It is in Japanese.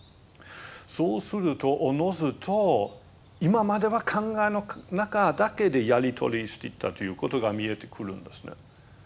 そうするとおのずと今までは考えの中だけでやり取りしていたということが見えてくるんですね。